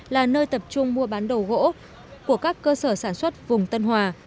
là nơi tập trung mua bán đồ gỗ của các cơ sở sản xuất vùng tân hòa